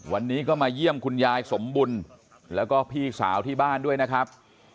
วันนี้ก็มาเยี่ยมคุณยายสมบุญแล้วก็พี่สาวที่บ้านด้วยนะครับ